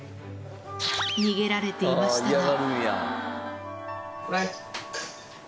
逃げられていましたが。